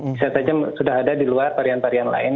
bisa saja sudah ada di luar varian varian lain